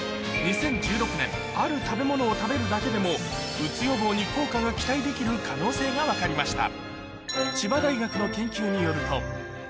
２０１６年ある食べ物を食べるだけでもうつ予防に効果が期待できる可能性が分かりました